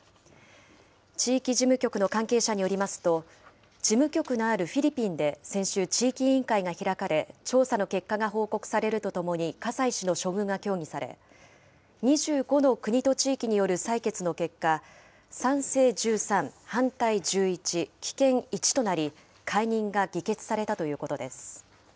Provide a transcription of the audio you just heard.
地域事務局の関係者によりますと、事務局のあるフィリピンで先週、地域委員会が開かれ、調査の結果が報告されるとともに葛西氏の処遇が協議され、２５の国と地域による採決の結果、賛成１３、反対１１、棄権１となり、解任が議決されたということです。